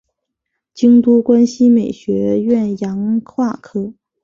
京都关西美术学院洋画科